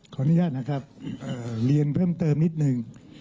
ขออนุญาตนะครับเรียนเพิ่มเติมนิดหนึ่ง